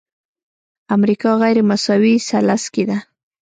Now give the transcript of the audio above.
امریکا غیرمساوي ثلث کې ده.